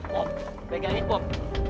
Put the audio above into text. pom pegangin pom